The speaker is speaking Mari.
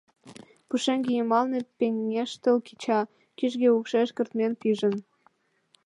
Пушеҥге йымалне пеҥештыл кеча, кӱжгӧ укшеш кыртмен пижын.